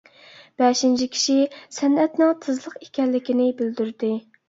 بەشىنچى كىشى سەنئەتنىڭ تىزلىق ئىكەنلىكىنى بىلدۈردى.